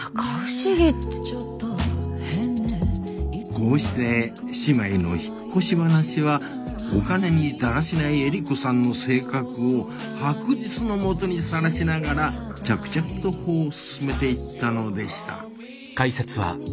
こうして姉妹の引っ越し話はお金にだらしないエリコさんの性格を白日の下にさらしながら着々と歩を進めていったのでした